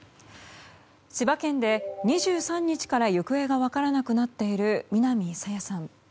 千葉県で２３日から行方が分からなくなっている南朝芽さん。